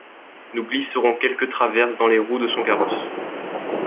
Nous glisserons quelques traverses dans les roues de son carrosse.